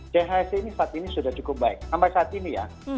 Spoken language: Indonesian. chse ini saat ini sudah cukup baik sampai saat ini ya